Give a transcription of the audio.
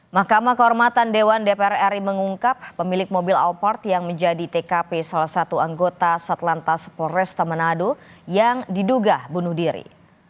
mahkamah kehormatan dewan dpr ri mengungkap pemilik mobil alphard yang menjadi tkp salah satu anggota satlantas polresta manado yang diduga bunuh diri